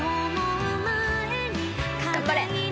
頑張れ。